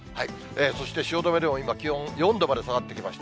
そして汐留でも今、気温４度まで下がってきました。